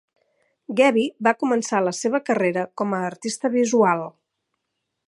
Gebbie va començar la seva carrera com a artista visual.